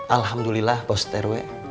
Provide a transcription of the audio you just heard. alhamdulillah pak ustadz rw